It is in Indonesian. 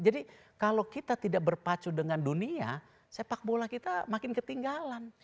jadi kalau kita tidak berpacu dengan dunia sepak bola kita makin ketinggalan